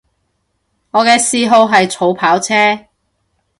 我嘅嗜好係儲跑車